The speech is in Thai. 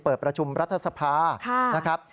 เปิดประชุมรัฐสภานะครับ